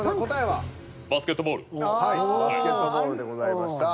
はいバスケットボールでございました。